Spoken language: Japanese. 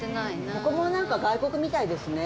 ここもなんか外国みたいですね。